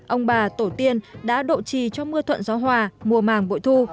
ông bà tổ tiên đã độ trì cho mưa thuận gió hòa mùa màng bội thu